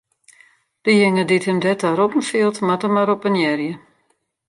Dejinge dy't him derta roppen fielt, moat him mar oppenearje.